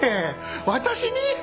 私に！？